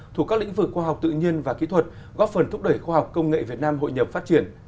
thuộc các lĩnh vực khoa học tự nhiên và kỹ thuật góp phần thúc đẩy khoa học công nghệ việt nam hội nhập phát triển